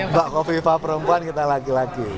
mbak kofifa perempuan kita laki laki